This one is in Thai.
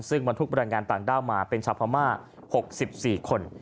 ซึ่งบรรทุกแรงงานต่างด้าวมาเป็นชาวพม่า๖๔คน